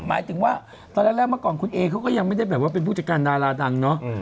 หมายถึงว่าตอนแรกเมื่อก่อนคุณเอเขาก็ยังไม่ได้แบบว่าเป็นผู้จัดการดาราดังเนาะ